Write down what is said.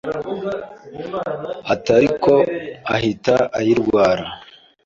atariko ahita ayirwara